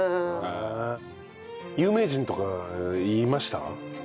有名人とかいました？